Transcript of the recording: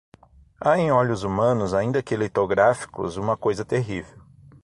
Há em olhos humanos, ainda que litográficos, uma coisa terrível